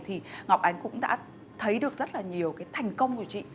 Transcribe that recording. thì ngọc ánh cũng đã thấy được rất là nhiều cái thành công của chị